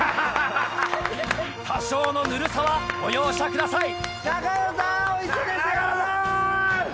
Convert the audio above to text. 多少のぬるさはご容赦ください。